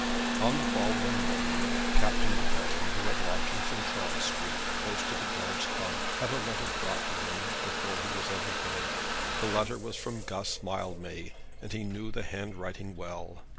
On the following morning Captain De Baron, who had lodgings in Charles Street close to the Guards' Club, had a letter brought to him before he was out of bed. The letter was from Guss Mildmay, and he knew the handwriting well.